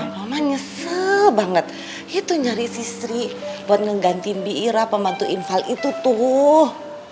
mama nyesel banget itu nyari sisri buat ngegantiin biira pembantu infal itu tuh